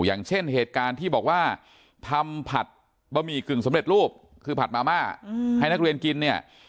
อย่างเช่นเหตุการณ์ที่บอกว่าทำผัดบะหมี่กึ่งสำเร็จรูปคือผัดมาม่าให้นักเรียนกินเนี่ย